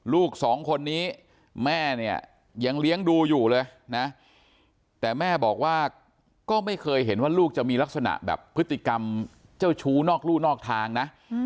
ลูกสองคนนี้แม่เนี่ยยังเลี้ยงดูอยู่เลยนะแต่แม่บอกว่าก็ไม่เคยเห็นว่าลูกจะมีลักษณะแบบพฤติกรรมเจ้าชู้นอกลู่นอกทางนะ